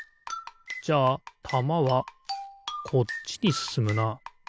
じゃあたまはこっちにすすむな。